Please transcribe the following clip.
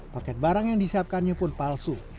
paket barang yang disiapkannya pun palsu